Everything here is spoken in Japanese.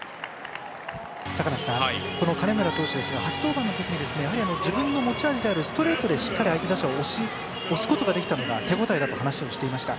坂梨さん、金村投手ですが初登板の時自分の持ち味であるストレートでしっかり相手打者を押すことができたのが手応えだと話をしていました。